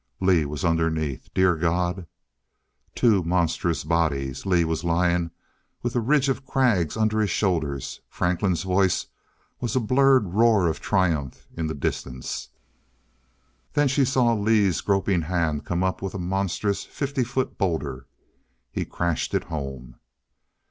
Lee was underneath! Dear God Two monstrous bodies Lee was lying with a ridge of crags under his shoulders.... Franklin's voice was a blurred roar of triumph in the distance. Then she saw Lee's groping hand come up with a monstrous fifty foot boulder. He crashed it home.